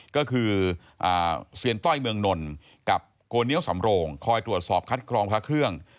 ก็คือเซียนต้อยเมืองนนกับโกเนียวสำโรงคอยตรวจสอบคัดกรองพระเครื่อง